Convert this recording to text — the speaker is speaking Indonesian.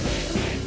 mbak be kesana deh